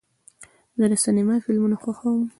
زه د سینما فلمونه خوښوم.